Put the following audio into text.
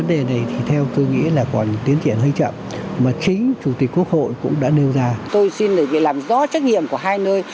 đó là trách nhiệm của hai nơi